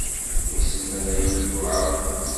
Wissen ma d ayen yuεren.